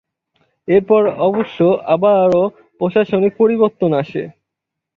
এরপর অবশ্য আবারও প্রশাসনিক পরিবর্তন আসে।